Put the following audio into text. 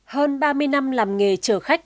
hơn ba mươi năm làm nghề chở khách